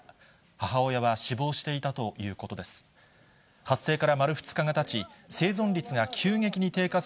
母親は死亡していたということです。